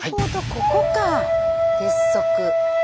ここか鉄則。